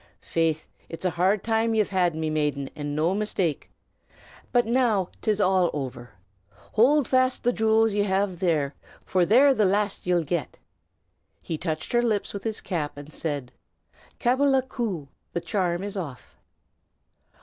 "Faith, it's a hard time ye've had, my maiden, and no mistake! But now 'tis all over. Hold fast the jewels ye have there, for they're the last ye'll get." He touched her lips with his cap, and said, "Cabbala ku! the charm is off."